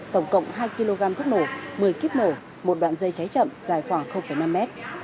tổng cộng hai kg thuốc nổ một mươi kiếp nổ một đoạn dây cháy chậm dài khoảng năm m